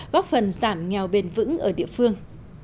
góp phần giảm nghèo bền vững ở địa phương